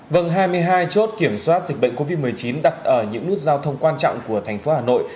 vâng hai mươi hai chốt kiểm soát dịch bệnh covid một mươi chín đặt ở những nút giao thông quan trọng của thành phố hà nội